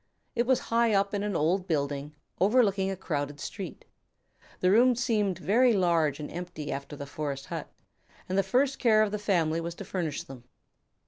It was high up in an old building, overlooking a crowded street. The rooms seemed very large and empty after the forest hut, and the first care of the family was to furnish them.